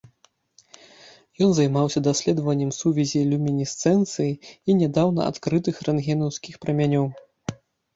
Ён займаўся даследаваннем сувязі люмінесцэнцыі і нядаўна адкрытых рэнтгенаўскіх прамянёў.